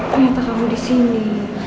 ternyata kamu di sini